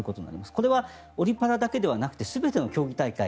これはオリ・パラだけじゃなくて全ての競技大会